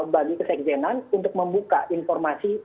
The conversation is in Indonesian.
bagi kesekjenan untuk membuka informasi